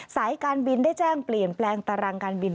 สายการบินได้แจ้งเปลี่ยนแปลงตารางการบิน